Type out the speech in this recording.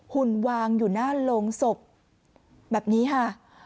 หุ่นวางอยู่หน้าโรงศพแบบนี้ค่ะ